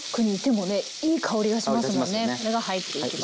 これが入っていきます。